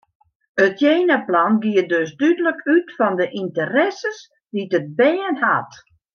It jenaplan giet dus dúdlik út fan de ynteresses dy't it bern hat.